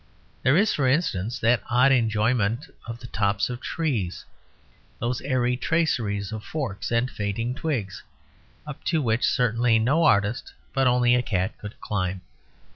There is, for instance, that odd enjoyment of the tops of trees; those airy traceries of forks and fading twigs, up to which certainly no artist, but only a cat could climb.